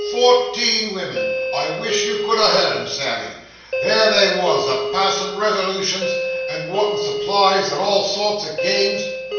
Fourteen women; I wish you could ha' heard 'em, Sammy. There they was, a passin' resolutions, and wotin' supplies, and all sorts o' games.